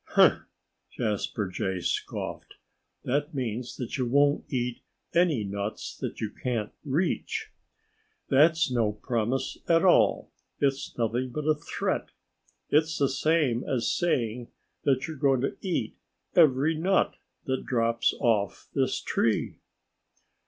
"Huh!" Jasper Jay scoffed. "That means that you won't eat any nuts that you can't reach. That's no promise at all. It's nothing but a threat. It's the same as saying that you're going to eat every nut that drops off this tree."